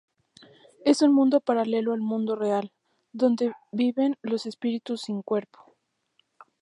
Es un mundo paralelo al mundo real, donde viven los espíritus sin cuerpo.